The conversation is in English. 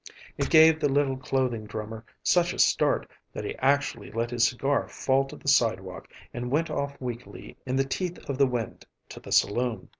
It gave the little clothing drummer such a start that he actually let his cigar fall to the sidewalk and went off weakly in the teeth of the wind to the saloon.